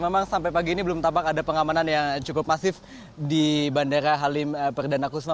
memang sampai pagi ini belum tampak ada pengamanan yang cukup masif di bandara halim perdana kusuma